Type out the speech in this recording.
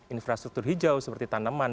infrastruktur hijau seperti tanaman